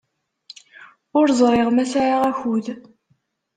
Ur ẓriɣ ma sɛiɣ akud.